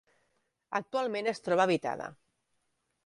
Actualment es troba habitada.